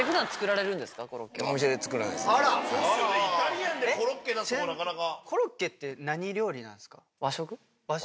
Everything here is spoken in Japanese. そうですよねイタリアンでコロッケ出すとこなかなか。